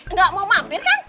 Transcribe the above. nggak mau mampir kan